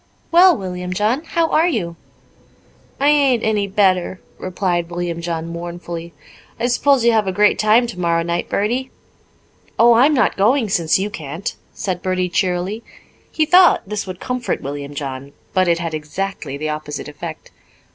"Well, William John, how are you?" "I ain't any better," replied William John mournfully. "I s'pose you'll have a great time tomorrow night, Bertie?" "Oh, I'm not going since you can't," said Bertie cheerily. He thought this would comfort William John, but it had exactly the opposite effect.